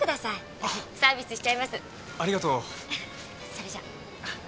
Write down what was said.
それじゃ。